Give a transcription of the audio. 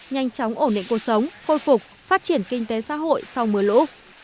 nhanh chóng ổn định cuộc sống khôi phục phát triển kinh tế xã hội sau mưa lũ